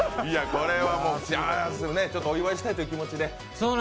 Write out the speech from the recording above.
これはお祝いしたいという気持ちで？